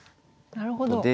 なるほど。